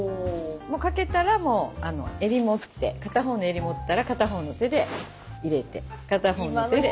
もうかけたらもうあの襟持って片方の襟持ったら片方の手で入れて片方の手で入れて。